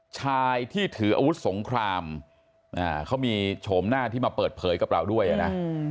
ชายที่ถืออาวุธสงครามเขามีโฉมหน้าที่มาเปิดเผยกับเราด้วยนะ